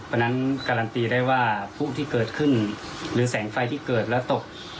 เพราะฉะนั้นการันตีได้ว่าผู้ที่เกิดขึ้นหรือแสงไฟที่เกิดแล้วตก